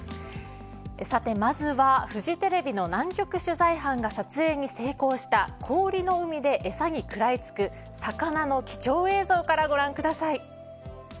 さてまずはフジテレビの南極取材班が撮影に成功した氷の海で餌に食らい付く魚の貴重映像からご覧ください。